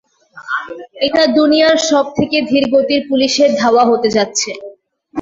এটা দুনিয়ার সবথেকে ধীরগতির পুলিশের ধাওয়া হতে যাচ্ছে।